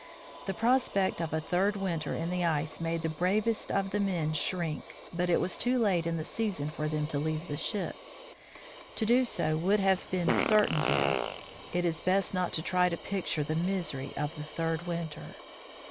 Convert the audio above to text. The prospect of a third winter in the ice made the bravest of the men shrink, but it was too late in the season for them to leave the ships. To do so would have been certain death. It is best not to try to picture the misery of the third winter.